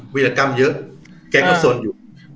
วิลกรรมเยอะไอ้เค้าก็สนอยู่